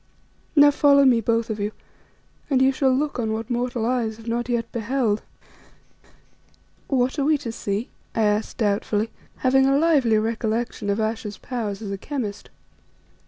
Now follow me, both of you, and ye shall look on what mortal eyes have not yet beheld." "What are we to see?" I asked doubtfully, having a lively recollection of Ayesha's powers as a chemist.